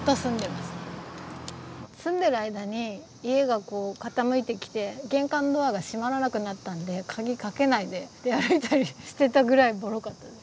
住んでる間に家がこう傾いてきて玄関ドアが閉まらなくなったんで鍵かけないで出歩いたりしてたぐらいボロかったです。